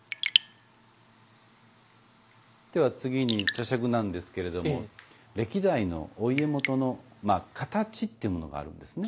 では次に茶杓なんですけれども歴代のお家元の形っていうものがあるんですね。